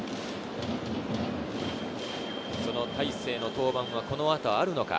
その大勢の登板はこの後あるのか？